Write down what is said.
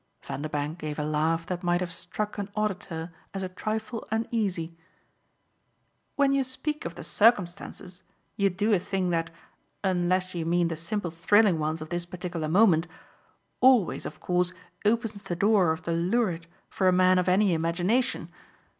Vanderbank gave a laugh that might have struck an auditor as a trifle uneasy. "When you speak of 'the circumstances' you do a thing that unless you mean the simple thrilling ones of this particular moment always of course opens the door of the lurid for a man of any imagination.